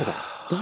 誰？